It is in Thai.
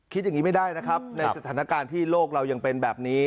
คิดอย่างนี้ไม่ได้นะครับในสถานการณ์ที่โลกเรายังเป็นแบบนี้